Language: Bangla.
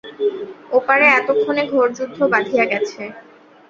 ওপারে এতক্ষণে ঘোর যুদ্ধ বাধিয়া গেছে।